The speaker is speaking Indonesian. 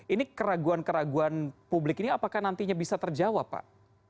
ini keraguan keraguan publik ini apakah nantinya bisa terjawab pak